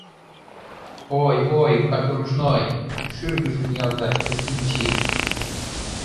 — Ой-ой, катурушной! — шӱргыжым ниялта Кыстинчи.